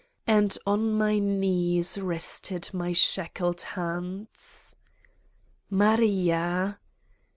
And on my knees rested my shackled hands. "Maria!"